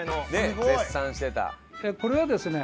これはですね